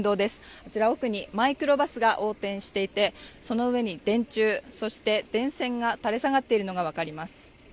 こちら奥にマイクロバスが横転していてその上に電柱そして電線が垂れ下がっているのが分かります